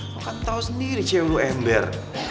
lo kan tau sendiri cewek lo ember